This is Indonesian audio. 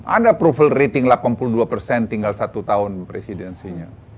ada approval rating delapan puluh dua persen tinggal satu tahun presidensinya